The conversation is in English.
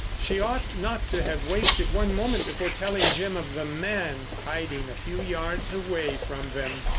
She ought not to have wasted one moment before telling Jim of the man hiding a few yards away from them.